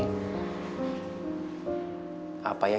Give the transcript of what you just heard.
terima kasih pak